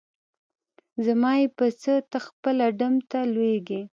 زما یی په څه؟ ته خپله ډم ته لویږي.